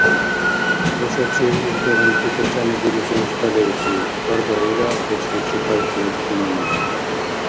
ХӀушачив илдигъунти печани дируси уста левсив? — хьарбаира печьличи карцӀиубси нуни.